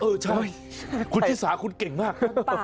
เออใช่คุณชิสาคุณเก่งมาก